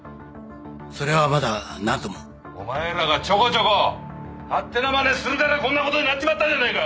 それはまだなんとも。お前らがちょこちょこ勝手なまねするからこんな事になっちまったじゃねえか！